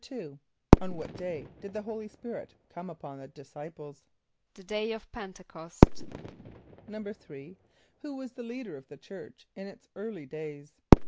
= On what day did the Holy Spirit come upon the disciples? =The day of P[)e]n´te c[)o]st.= =3.= Who was the leader of the church in its early days?